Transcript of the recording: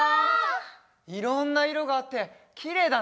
いろんないろがあってきれいだね！